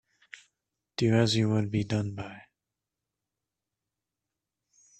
Do as you would be done by.